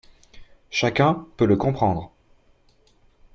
Chacun peut le comprendre.